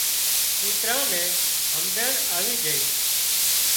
ڪوترا نين همزيڻ آوي جھئي